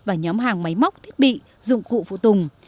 và nhóm hàng máy móc thiết bị dụng cụ phụ tùng